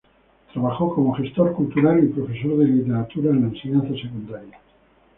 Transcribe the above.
Trabajó como gestor cultural y profesor de literatura en la enseñanza secundaria.